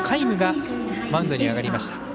夢がマウンドに上がりました。